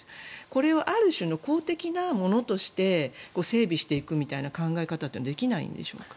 これをある種の公的なものとして整備していくみたいな考え方ってできないんでしょうか。